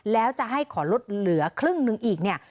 แล้วจะให้ขอลดเหลือครึ่งหนึ่งอีกเนี่ย